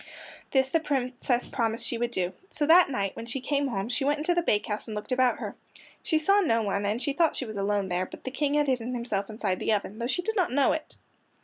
This the Princess promised she would do. So that night, when she came home, she went into the bakehouse and looked about her. She saw no one, and she thought she was alone there, but the King had hidden himself inside the oven, though she did not know it.